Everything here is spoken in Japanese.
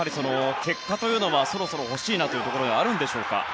結果はそろそろ欲しいなというところがあるんでしょうか。